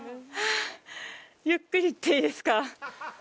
ゆっくり行っていいですか。